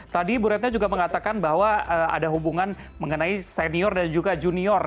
tadi bu retno juga mengatakan bahwa ada hubungan mengenai senior dan juga junior